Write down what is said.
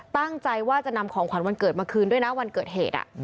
ตั้งใจว่าจะนำของขวัญวันเกิดมาคืนด้วยนะวันเกิดเหตุ